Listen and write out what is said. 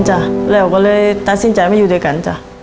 เราก็เลยตัดสินใจมาอยู่ด้วยกัน